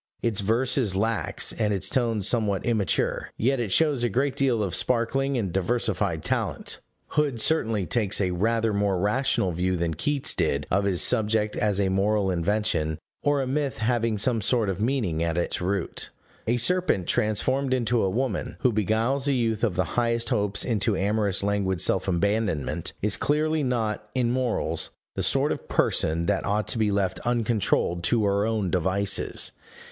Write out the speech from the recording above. Its verse is lax, and its tone somewhat immature; yet it shows a great deal of sparkling and diversified talent. Hood certainly takes a rather more rational view than Keats did of his subject as a moral invention, or a myth having some sort of meaning at its root. A serpent transformed into a woman, who beguiles a youth of the highest hopes into amorous languid self abandonment, is clearly not, in morals, the sort of person that ought to be left uncontrolled to her own devices.